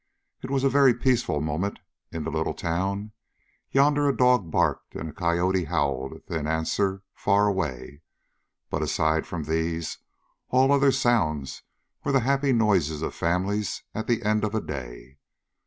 It was a very peaceful moment in the little town Yonder a dog barked and a coyote howled a thin answer far away, but, aside from these, all other sounds were the happy noises of families at the end of a day.